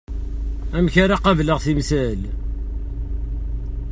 Amek ara qableɣ timsal?